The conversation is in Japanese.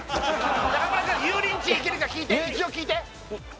中村君油淋鶏いけるか聞いて一応聞いて！